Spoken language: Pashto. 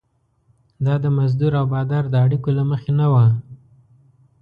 دا د مزدور او بادار د اړیکو له مخې نه وه.